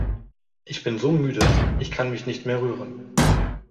Ich bin so müde, ich kann mich nicht mehr rühren!